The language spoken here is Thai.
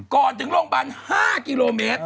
ก่อนถึงโรงพยาบาล๕กิโลเมตร